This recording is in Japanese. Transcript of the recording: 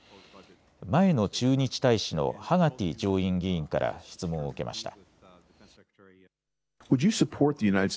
前の駐日大使のハガティ上院議員から質問を受けました。